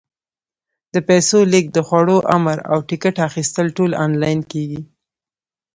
د پیسو لېږد، د خوړو امر، او ټکټ اخیستل ټول آنلاین کېږي.